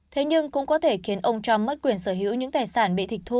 thế nhưng cũng có thể khiến ông trump mất quyền sở hữu những tài sản bị tịch thu